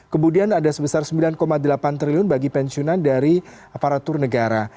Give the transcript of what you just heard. kemudian ada sebesar sembilan delapan triliun bagi pensiunan dari aparatur negara